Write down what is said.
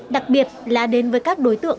đặc biệt là đến với các đối tượng